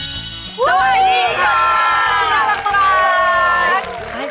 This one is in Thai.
สวัสดีค่ะน่ารัก